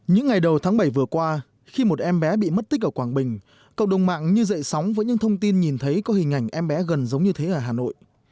những ngày đầu tháng bảy vừa qua khi một em bé bị mất tích ở quảng bình cộng đồng mạng như dậy sóng với những thông tin nhìn thấy có hình ảnh em bé gần giống như thế ở hà nội